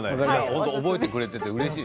覚えていてくれてうれしい。